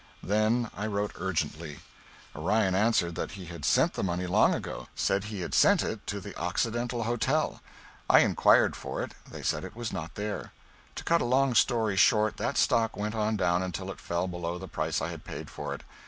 Then I wrote urgently. Orion answered that he had sent the money long ago said he had sent it to the Occidental Hotel. I inquired for it. They said it was not there. To cut a long story short, that stock went on down until it fell below the price I had paid for it.